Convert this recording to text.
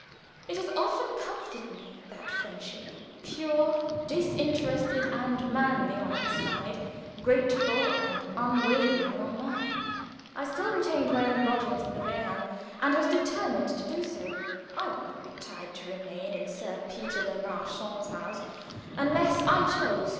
It has often comforted me, that friendship pure, disinterested and manly on his side, grateful and unwavering on mine. I still retained my old lodgings in the Wehrhahn, and was determined to do so. I would not be tied to remain in Sir Peter Le Marchant's house unless I choose.